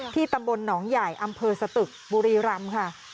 ตำบลหนองใหญ่อำเภอสตึกบุรีรำค่ะ